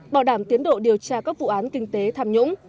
bảo đảm tiến độ điều tra các vụ án kinh tế tham nhũng